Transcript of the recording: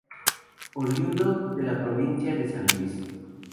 Oriundo de la provincia de San Luis.